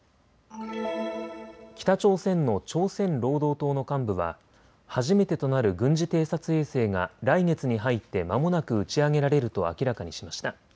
北朝鮮の朝鮮労働党の幹部は初めてとなる軍事偵察衛星が来月に入ってまもなく打ち上げられると明らかにしました。